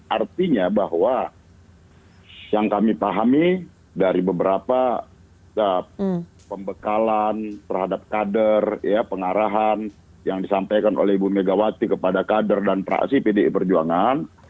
artinya bahwa yang kami pahami dari beberapa pembekalan terhadap kader pengarahan yang disampaikan oleh ibu megawati kepada kader dan praksi pdi perjuangan